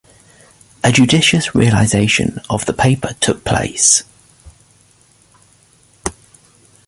A judicious realization of the paper took place.